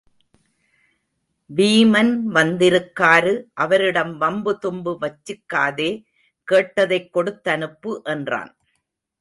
வீமன் வந்திருக்காரு அவரிடம் வம்பு தும்பு வச்சிக்காதே கேட்டதைக் கொடுத்தனுப்பு என்றான்.